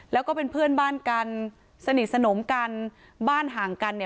แล้วก็เป็นเพื่อนบ้านกันสนิทสนมกันบ้านห่างกัน